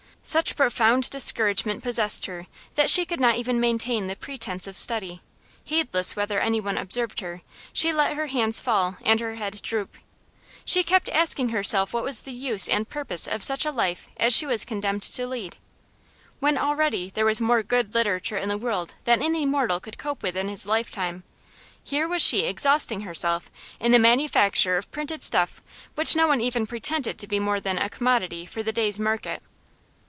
Such profound discouragement possessed her that she could not even maintain the pretence of study; heedless whether anyone observed her, she let her hands fall and her head droop. She kept asking herself what was the use and purpose of such a life as she was condemned to lead. When already there was more good literature in the world than any mortal could cope with in his lifetime, here was she exhausting herself in the manufacture of printed stuff which no one even pretended to be more than a commodity for the day's market.